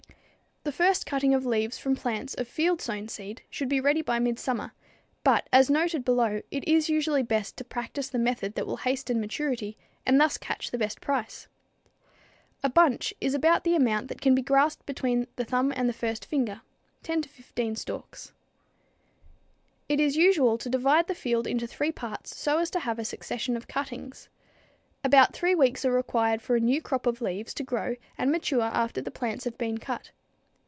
The first cutting of leaves from plants of field sown seed should be ready by midsummer, but as noted below it is usually best to practice the method that will hasten maturity and thus catch the best price. A "bunch" is about the amount that can be grasped between the thumb and the first finger, 10 to 15 stalks. It is usual to divide the field into three parts so as to have a succession of cuttings. About three weeks are required for a new crop of leaves to grow and mature after the plants have been cut.